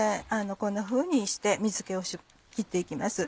こんなふうにして水気を切って行きます。